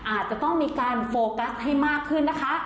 อาจจะต้องมีการโฟกัสให้มากขึ้นนะคะ